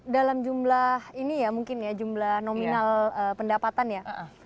dalam jumlah ini ya mungkin ya jumlah nominal pendapatan ya